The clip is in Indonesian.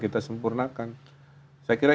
kita sempurnakan saya kira